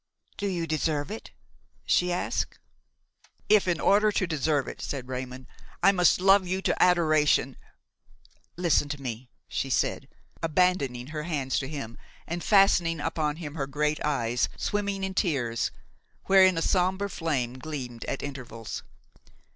"Do you deserve it?" she asked. "If, in order to deserve it," said Raymon, "I must love you to adoration–" "Listen to me," she said, abandoning her hands to him and fastening upon him her great eyes, swimming in tears, wherein a sombre flame gleamed at intervals.